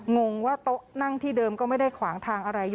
งงว่าโต๊ะนั่งที่เดิมก็ไม่ได้ขวางทางอะไรอยู่